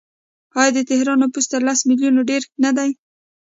آیا د تهران نفوس تر لس میلیونه ډیر نه دی؟